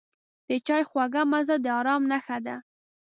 د چای خوږه مزه د آرام نښه ده.